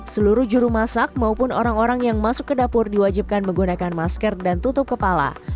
seluruh juru masak maupun orang orang yang masuk ke dapur diwajibkan menggunakan masker dan tutup kepala